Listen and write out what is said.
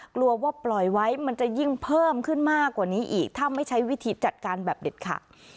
กลัวว่าปล่อยไว้มันจะยิ่งเพิ่มขึ้นมากกว่านี้อีกถ้าไม่ใช้วิธีจัดการแบบเด็ดขาด